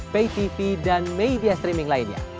paytv dan media streaming lainnya